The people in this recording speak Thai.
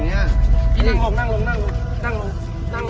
ผมไม่รู้ของความเกษตร